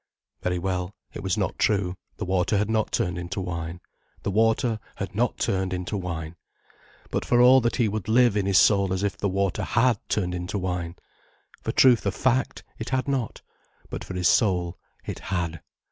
Very well, it was not true, the water had not turned into wine. The water had not turned into wine. But for all that he would live in his soul as if the water had turned into wine. For truth of fact, it had not. But for his soul, it had.